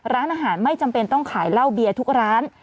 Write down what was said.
ร้านอาหารไม่จำเป็นต้องขายเหล้าเบียร์ทุกร้าน